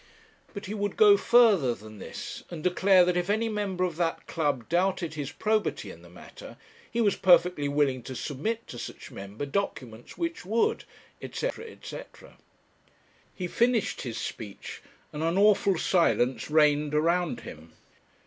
But he would go further than this, and declare that if any member of that club doubted his probity in the matter, he was perfectly willing to submit to such member documents which would,' &c., &c. He finished his speech, and an awful silence reigned around him.